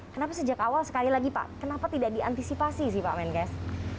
kenapa sejak awal sekali lagi pak kenapa tidak diantisipasi sih pak menkes